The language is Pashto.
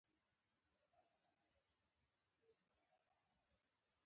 د نیت صفا الله ته ښکاري.